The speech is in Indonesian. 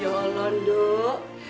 ya allah dok